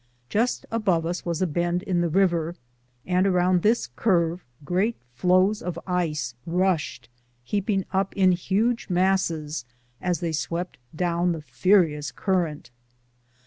Just above us was a bend in the river, and around this curve great floes of ice rushed, heaping up in huge masses as they swept down the furious current.